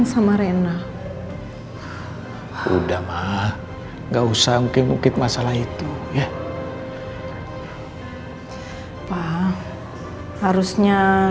sampai jumpa di video selanjutnya